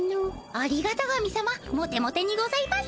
ありがた神様モテモテにございます。